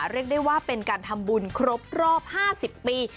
เรียกได้ว่าเป็นการทำบุญครบรอบ๕๐ปี